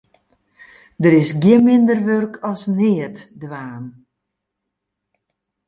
Der is gjin minder wurk as neatdwaan.